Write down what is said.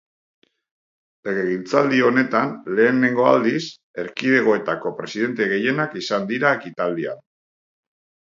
Legegintzaldi honetan lehenengo aldiz, erkidegoetako presidente gehienak izan dira ekitaldian.